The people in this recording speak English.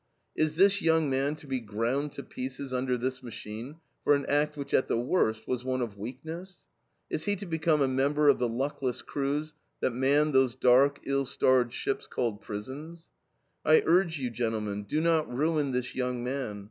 Is this young man to be ground to pieces under this machine for an act which, at the worst, was one of weakness? Is he to become a member of the luckless crews that man those dark, ill starred ships called prisons?... I urge you, gentlemen, do not ruin this young man.